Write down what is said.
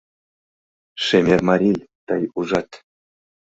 Шемер марий, тый ужат: